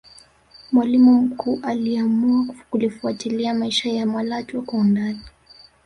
mwalimu mkuu aliamua kulifuatilia maisha ya malatwe kwa undani